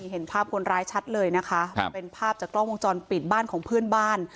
เห็นภาพคนร้ายชัดเลยนะคะเป็นภาพจากกล้องวงจรปิดบ้านของเพื่อนบ้าน